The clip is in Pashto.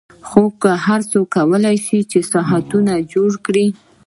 خو هر څوک نشي کولای چې ساعتونه جوړ کړي